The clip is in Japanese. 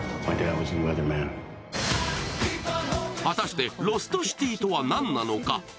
果たして、ロストシティとは何なのか。